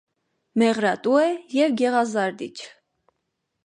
Մեղրատու է և գեղազարդիչ։